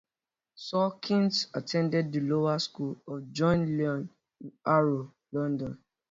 Sawkins attended The Lower School of John Lyon in Harrow, London.